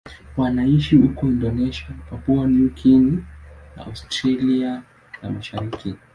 Wanaishi huko Indonesia, Papua New Guinea na Australia ya Mashariki.